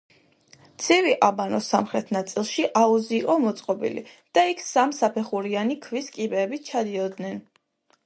ცივი აბანოს სამხრეთ ნაწილში აუზი იყო მოწყობილი და იქ სამსაფეხურიანი ქვის კიბეებით ჩადიოდნენ.